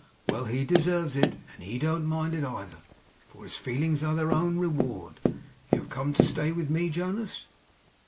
Well! He deserves it. And he don't mind it either, for his feelings are their own reward. You have come to stay with me, Jonas?